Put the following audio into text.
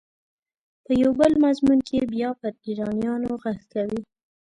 په یو بل مضمون کې بیا پر ایرانیانو غږ کوي.